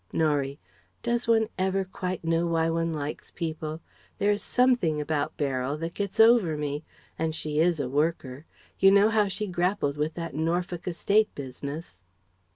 Norie: "Does one ever quite know why one likes people? There is something about Beryl that gets over me; and she is a worker. You know how she grappled with that Norfolk estate business?"